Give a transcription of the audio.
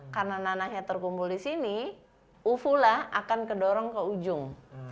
karena nanahnya terkumpul di sini uvula akan kedorong ke ujung